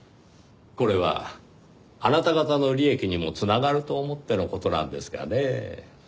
これはあなた方の利益にも繋がると思っての事なんですがねぇ。